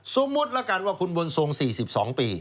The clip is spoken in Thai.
สมมุติแล้วกันว่าคุณบุญทรง๔๒ปี